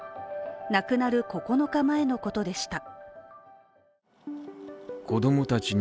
亡くなる９日前のことでした。